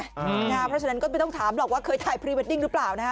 เพราะฉะนั้นก็ไม่ต้องถามหรอกว่าเคยถ่ายพรีเวดดิ้งหรือเปล่านะฮะ